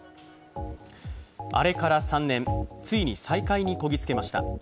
あれから３年、ついに再開にこぎ着けました。